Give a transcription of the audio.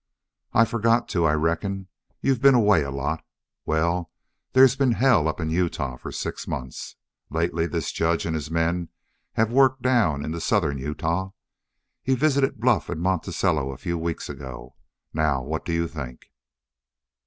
"I forgot to, I reckon. You've been away a lot. Well, there's been hell up in Utah for six months. Lately this judge and his men have worked down into southern Utah. He visited Bluff and Monticello a few weeks ago.... Now what do you think?"